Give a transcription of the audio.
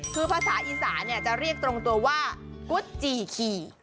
คือภาษาอีสานจะเรียกตรงตัวว่ากุจจีขี่